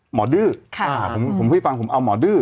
หมอดื้อผมเคยฟังผมเอาหมอดื้อ